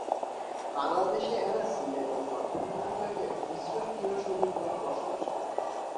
বাংলাদেশে এরা সিলেট ও চট্টগ্রাম বিভাগের মিশ্র চিরসবুজ বনে বসবাস করে।